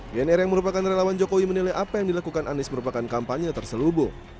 bnr yang merupakan relawan jokowi menilai apa yang dilakukan anies merupakan kampanye terselubung